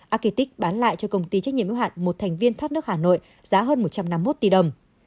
architect bán lại cho công ty trách nhiệm ưu hạn một thành viên thắt nước hà nội giá hơn một trăm năm mươi một tỷ đồng